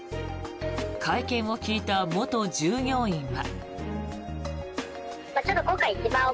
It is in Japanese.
会見を聞いた元従業員は。